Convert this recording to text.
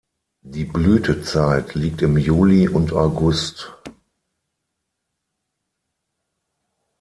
Die Blütezeit liegt im Juli und August.